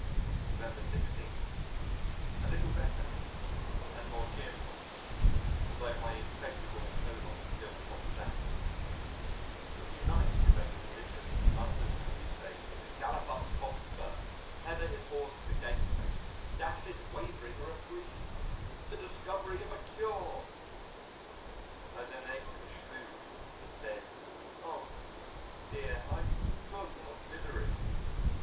November 16. A little better and more cheerful: altho' my impregnable colon still holds out. It would be nice if a physician from London one of these days were to gallop up hotspur, tether his horse to the gate post and dash in waving a reprieve the discovery of a cure! ... I was in an impish mood and said: "Oh! dear, I'm full of misery."